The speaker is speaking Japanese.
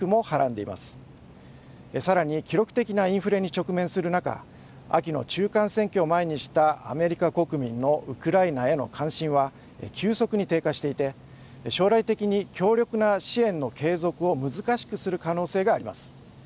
さらに記録的なインフレに直面する中秋の中間選挙を前にしたアメリカ国民のウクライナへの関心は急速に低下していて将来的に強力な支援の継続を難しくする可能性があります。